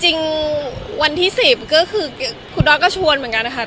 จริงวันที่๑๐ก็คือคุณดอสก็ชวนเหมือนกันนะคะ